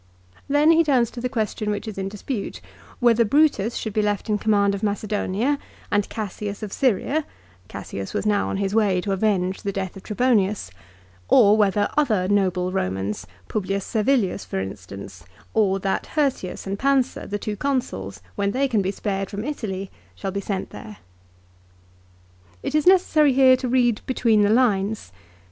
Then he turns to the question which is in dispute, whether Brutus should be left in command of Macedonia, and Cassius of Syria ; Cassius was now on his way to avenge the death of Trebonius ; or whether other noble Eomans, Publius Servilius for instance, or that Hirtius and Pansa, the two 1 Appian, De Bell. Civ. lib. iii. ca. 26. THE PHILIPPICS. 203 Consuls, when they can be spared from Italy, shall be sent there. It is necessary here to read between the lines.